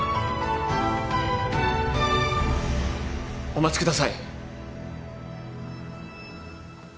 お待ちください。